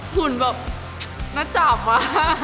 ผุ่นแบบนัดจับมา